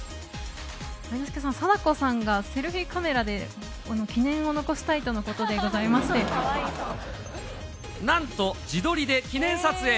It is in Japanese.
愛之助さん、貞子さんがセルフィーカメラで記念を残したいとのことでございまなんと、自撮りで記念撮影。